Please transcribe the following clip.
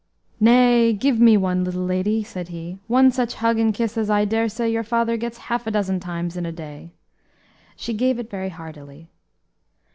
"Nay, give me one, little lady," said he, "one such hug and kiss as I dare say your father gets half a dozen times in a day." She gave it very heartily.